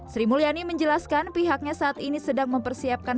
sri mulyani menjelaskan pihaknya saat ini sedang mempersiapkan